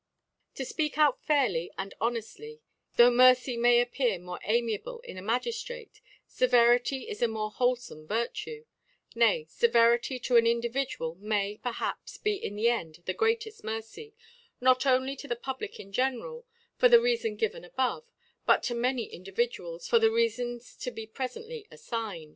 To fpeak out fairly and honeftiy, tho' Mercy may aj^ar more amia&le in a Ma giftrate, Severity is a more wholefome Vir tue ; nay Severity to an Individual may, perhaps, be in the End the greateft Mer cy, not only to the Public in general, for the Reafon given above ; but to oiany In«> dividuaLs for the Reafons to beprefently ailigned.